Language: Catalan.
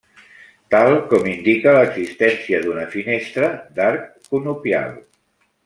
Tal com indica l'existència d'una finestra d'arc conopial.